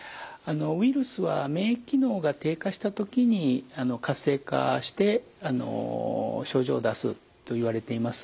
ウイルスは免疫機能が低下した時に活性化して症状を出すといわれています。